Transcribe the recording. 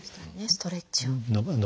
ストレッチを。